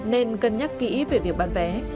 nên cân nhắc kỹ về việc bán vé